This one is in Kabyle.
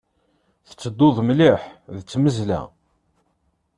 Tettedduḍ mliḥ d tmeẓla.